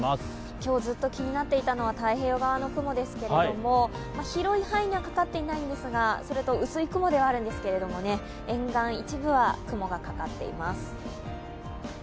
今日ずっと気になっていたのは太平洋側の雲ですけれども、広い範囲にはかかっていないんですが、薄い雲ではあるんですが、沿岸一部は雲がかかっています。